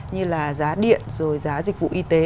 như là giá điện rồi giá dịch vụ y tế